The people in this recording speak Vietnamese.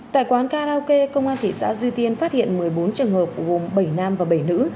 tại quán karaoke công an thị xã duy tiên phát hiện một mươi bốn trường hợp gồm bảy nam và bảy nữ